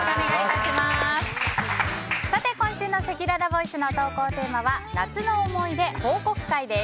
今週のせきららボイスの投稿テーマは夏の思い出報告会です。